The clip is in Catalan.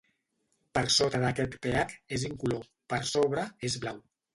Per sota d'aquest pH, és incolor; per sobre, és blau.